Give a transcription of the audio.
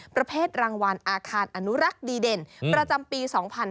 ประเภทรางวัลอาคารอนุรักษ์ดีเด่นประจำปี๒๕๕๙